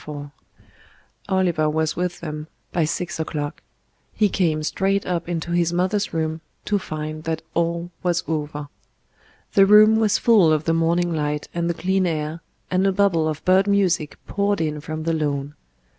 IV Oliver was with them by six o'clock; he came straight up into his mother's room to find that all was over. The room was full of the morning light and the clean air, and a bubble of bird music poured in from the lawn.